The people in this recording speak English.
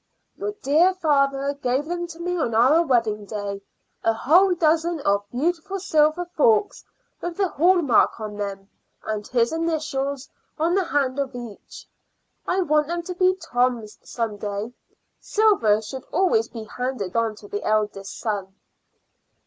Your dear father gave them to me on our wedding day a whole dozen of beautiful silver forks with the hall mark on them, and his initials on the handle of each. I want them to be Tom's some day. Silver should always be handed on to the eldest son."